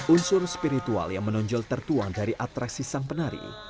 unsur spiritual yang menonjol tertuang dari atraksi sang penari